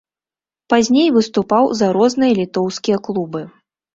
Пазней выступаў за розныя літоўскія клубы.